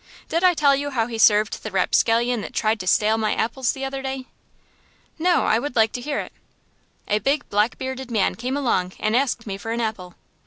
Did I tell you how he served the rapscallion that tried to stale my apples the other day?" "No; I would like to hear it." "A big, black bearded man came along, and asked me for an apple.